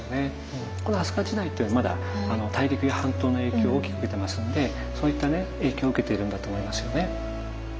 この飛鳥時代っていうのはまだ大陸や半島の影響を大きく受けてますんでそういったね影響を受けているんだと思いますよね。